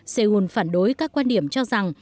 seoul phản đối các quan điểm cho rằng